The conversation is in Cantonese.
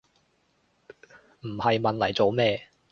唔係問黎做咩